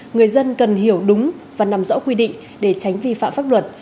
người dân cần hiểu đúng và nằm rõ quy định để tránh vi phạm pháp luật